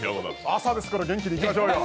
朝ですから元気にいきましょうよ。